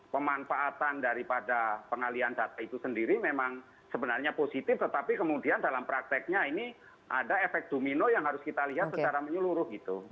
pemanfaatan daripada pengalian data itu sendiri memang sebenarnya positif tetapi kemudian dalam prakteknya ini ada efek domino yang harus kita lihat secara menyeluruh gitu